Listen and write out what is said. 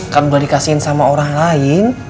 kan udah dikasihin sama orang lain